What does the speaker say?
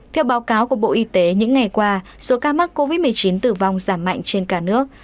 theo báo cáo của bộ y tế những ngày qua số ca mắc covid một mươi chín tử vong giảm mạnh trên cả nước